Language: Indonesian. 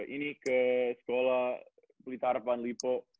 ini ke sekolah pelita harapan lipo